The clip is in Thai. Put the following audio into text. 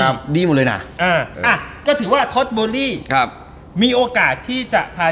ครับดีหมดเลยน่ะอ่าอ่ะก็ถือว่าครับมีโอกาสที่จะพา